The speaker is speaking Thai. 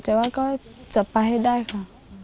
แต่ว่าก็จะไปให้ได้ค่ะ